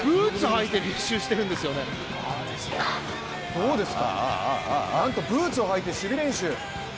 どうですか、なんとブーツを履いて守備練習。